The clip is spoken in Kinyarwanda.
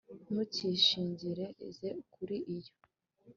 Ntukishingikirize kuri yo